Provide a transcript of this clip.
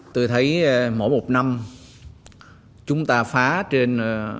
tôi thấy mỗi một năm chúng ta phá trên hai mươi ba